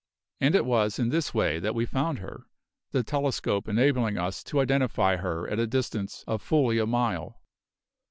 And it was in this way that we found her, the telescope enabling us to identify her at a distance of fully a mile.